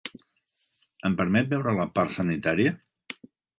Em permet veure la part sanitària?